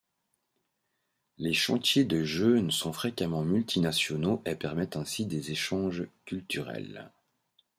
Les chantiers de jeunes sont fréquemment multinationaux et permettent ainsi des échanges culturels.